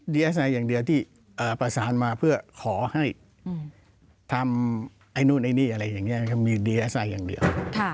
เอสไออย่างเดียวที่ประสานมาเพื่อขอให้ทำไอ้นู่นไอ้นี่อะไรอย่างนี้มีดีเอสไออย่างเดียว